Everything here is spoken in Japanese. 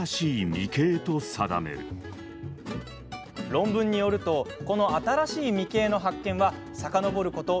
論文によるとこの「新しいミ形」の発見はさかのぼること